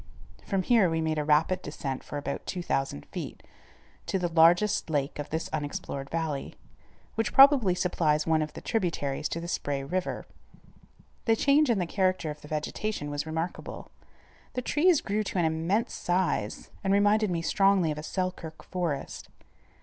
From here we made a rapid descent for about 2000 feet, to the largest lake of this unexplored valley, which probably supplies one of the tributaries to the Spray River. The change in the character of the vegetation was remarkable. The trees grew to an immense size and reminded me strongly of a Selkirk forest.